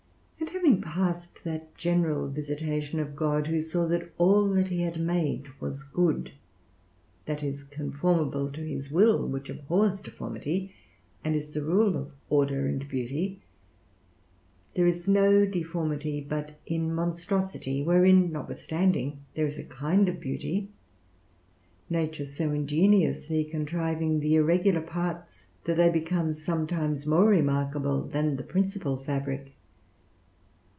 And having passed that general visitation of God, who saw that all that he had made was good, that is, conformable to his will, which abhors deformity, and is the rule of order and beauty: there is no deformity but in monstrosity, wherein notwithstanding there is a kind of beauty, nature so ingeniously contriving the irregular parts that they become sometimes more remarkable than the principal fabric.